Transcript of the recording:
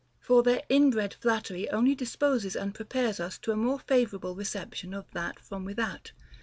For their inbred flattery only disposes and prepares us to a more favorable reception of that from without.